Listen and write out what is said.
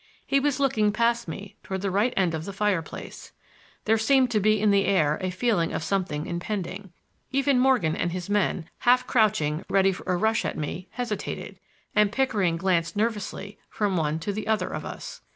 He was looking past me toward the right end of the fireplace. There seemed to be in the air a feeling of something impending. Even Morgan and his men, half crouching ready for a rush at me, hesitated; and Pickering glanced nervously from one to the other of us.